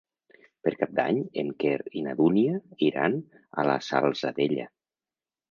Per Cap d'Any en Quer i na Dúnia iran a la Salzadella.